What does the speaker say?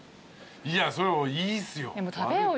いやそれはいいっすよ。